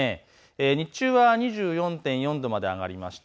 日中は２４．４度まで上がりました。